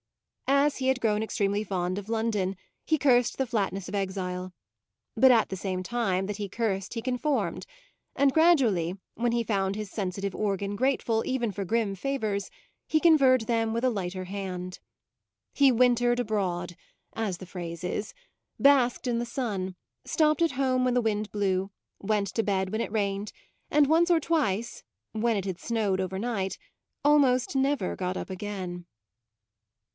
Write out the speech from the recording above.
As he had grown extremely fond of London, he cursed the flatness of exile: but at the same time that he cursed he conformed, and gradually, when he found his sensitive organ grateful even for grim favours, he conferred them with a lighter hand. He wintered abroad, as the phrase is; basked in the sun, stopped at home when the wind blew, went to bed when it rained, and once or twice, when it had snowed overnight, almost never got up again.